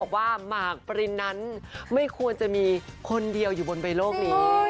หมากปรินนั้นไม่ควรจะมีคนเดียวอยู่บนใบโลกนี้